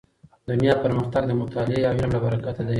دنیا پرمختګ د مطالعې او علم له برکته دی.